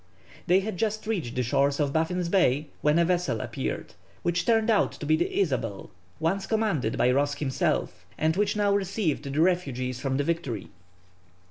They had just reached the shores of Baffin's Bay when a vessel appeared, which turned out to be the Isabel, once commanded by Ross himself, and which now received the refugees from the Victory.